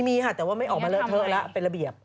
มีค่ะแต่ว่าไม่ออกมาเลอะเทอะแล้วเป็นระเบียบ